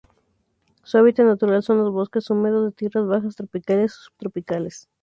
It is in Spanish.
Su hábitat natural son los bosques húmedos de tierras bajas tropicales o subtropicales.